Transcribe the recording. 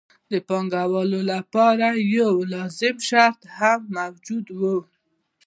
د پانګوالۍ لپاره یو بل لازم شرط هم موجود وو